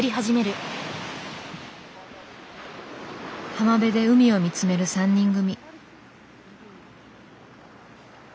浜辺で海を見つめる３人組。